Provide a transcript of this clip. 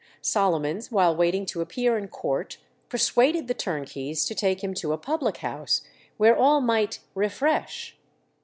Solomons, while waiting to appear in court, persuaded the turnkeys to take him to a public house, where all might "refresh."